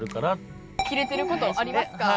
キレてることありますか？